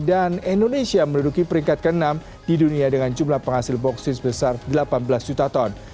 dan indonesia menduduki peringkat keenam di dunia dengan jumlah penghasil boksit sebesar delapan belas juta ton